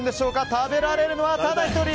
食べられるのは、ただ１人。